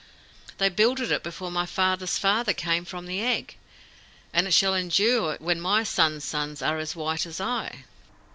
They builded it before my father's father came from the egg, and it shall endure when my son's sons are as white as I!